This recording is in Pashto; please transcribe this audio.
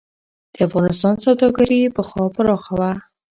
د افغانستان سوداګري پخوا پراخه وه.